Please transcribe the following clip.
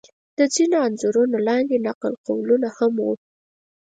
د ځینو انځورونو لاندې نقل قولونه هم و.